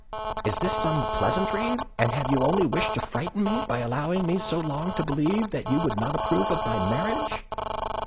Is this some pleasantry, and have you only wished to frighten me, by allowing me so long to believe that you would not approve of my marriage?"